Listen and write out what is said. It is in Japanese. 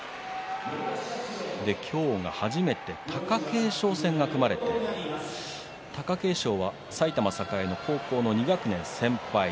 今日が初めて貴景勝戦が組まれて貴景勝は埼玉栄の高校の２学年先輩。